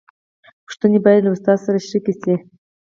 پوښتنې باید له استاد سره شریکې شي.